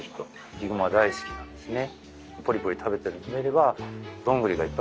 ヒグマ大好きなんですね。